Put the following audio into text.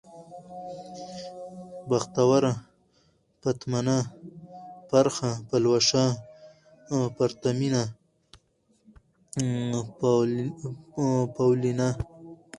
بختوره ، پتمنه ، پرخه ، پلوشه ، پرتمينه ، پاولينه